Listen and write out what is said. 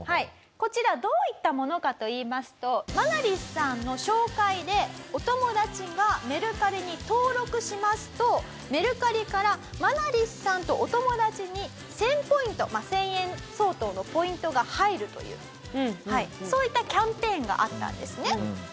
こちらどういったものかといいますとマナリスさんの紹介でお友達がメルカリに登録しますとメルカリからマナリスさんとお友達に１０００ポイント１０００円相当のポイントが入るというそういったキャンペーンがあったんですね。